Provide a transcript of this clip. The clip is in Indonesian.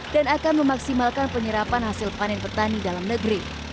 dan akan memaksimalkan penyerapan hasil panen petani dalam negeri